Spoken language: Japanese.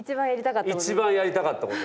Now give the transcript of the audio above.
一番やりたかったこと？